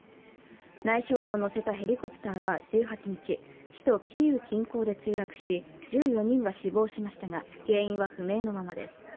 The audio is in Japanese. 内相らを乗せたヘリコプターは１８日、首都キーウ近郊で墜落し１４人が死亡しましたが原因は不明のままです。